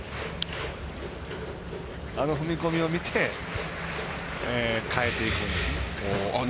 あの踏み込みを見て変えていくんですね。